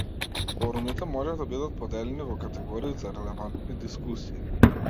Форумите може да бидат поделени во категории за релевантни дискусии.